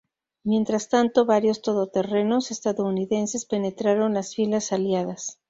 Mientras tanto varios todoterrenos ""estadounidenses"" penetraron las filas aliadas.